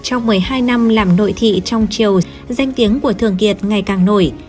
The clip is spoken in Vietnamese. trong một mươi hai năm làm nội thị trong chiều danh tiếng của thường kiệt ngày càng nổi